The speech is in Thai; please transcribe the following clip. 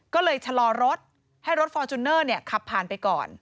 ก็เลยชะลอรถให้รถฟอร์จูเนอร์ขับผ่านไปก่อน